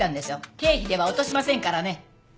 経費では落としませんからね。